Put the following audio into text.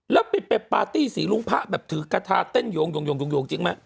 และเป็นปาร์ตี้สีรุ้งพะแบบถือกาธาเต้นยูงจิงไหม